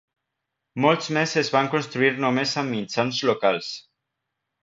Molts més es van construir només amb mitjans locals.